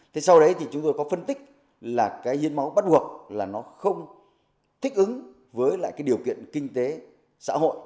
thế sau đấy thì chúng tôi có phân tích là cái hiến máu bắt buộc là nó không thích ứng với lại cái điều kiện kinh tế xã hội